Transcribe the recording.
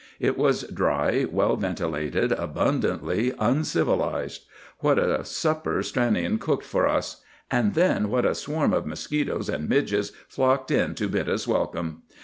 It was dry, well ventilated, abundantly uncivilized. What a supper Stranion cooked for us! And then what a swarm of mosquitoes and midges flocked in to bid us welcome!